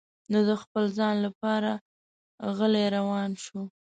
نو د خپل ځان لپاره غلی روان شو.